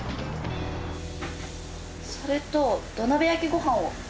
それと土鍋焼きご飯を。